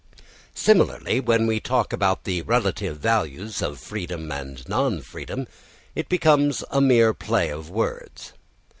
Similarly, when we talk about the relative values of freedom and non freedom, it becomes a mere play of words.